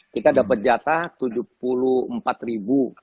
kita dapat jatah tujuh puluh empat ribu